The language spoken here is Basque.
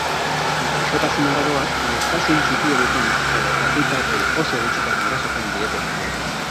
Gaixotasun arraroak maiztasun txikia duten edo herritarrei oso gutxitan erasaten dietenak dira.